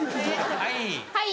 はい。